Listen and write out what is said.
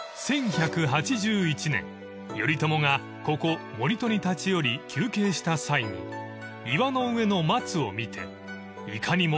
［１１８１年頼朝がここ森戸に立ち寄り休憩した際に岩の上の松を見て］